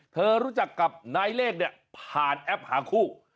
รู้จักกับนายเลขเนี่ยผ่านแอปหาคู่